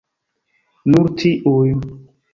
Nur tiuj.